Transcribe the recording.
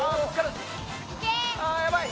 あっやばい。